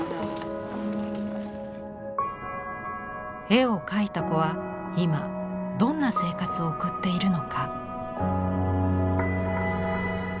絵を描いた子は今どんな生活を送っているのか？